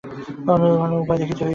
অন্য কোন উপায় দেখিতে হইবে।